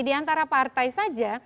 diantara partai saja